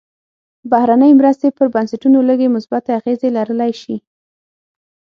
بهرنۍ مرستې پر بنسټونو لږې مثبتې اغېزې لرلی شي.